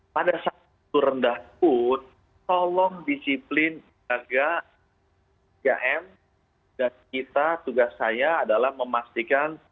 pada satu rendah pun tolong disiplin agar pm dan kita tugas saya adalah memastikan